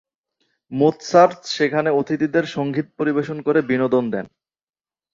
Mozart সেখানে অতিথিদের সঙ্গীত পরিবেশন করে বিনোদন দেন।